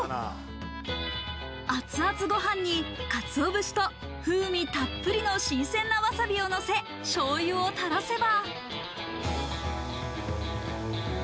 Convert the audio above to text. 熱々ご飯に鰹節と風味たっぷりの新鮮なわさびをのせ、しょうゆをたらせば。